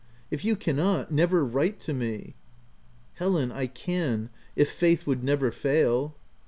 If you cannot, never write to me !''" Helen, I can, if faith would never fail."